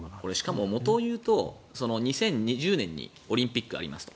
元を言うと２０２０年にオリンピックがありますと。